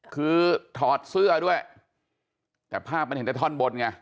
คือถอดเสื้อด้วยแต่ภาพมันเห็นแต่ท่อนบนไง